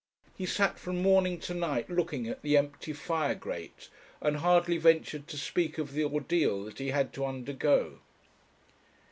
He sat from morning to night looking at the empty fire grate, and hardly ventured to speak of the ordeal that he had to undergo.